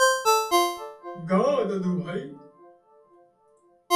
গা, দাদুভাই!